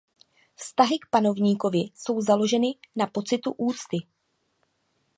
Vztahy k panovníkovi jsou založeny na pocitu úcty.